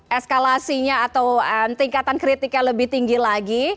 eskalasinya atau tingkatan kritiknya lebih tinggi lagi